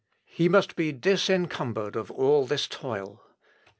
He must be disencumbered of all this toil.